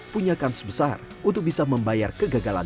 punya kans besar untuk bisa membayar kegagalan